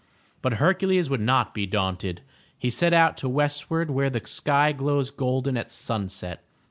But Hercules would not be daunted. He set out to westward where the sky glows golden at sunset.